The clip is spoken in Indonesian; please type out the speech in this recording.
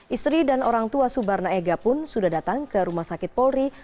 istri dan orang tua subarna ega pun sudah datang ke rumah sakit polri